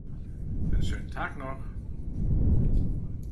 Einen schönen Tag noch!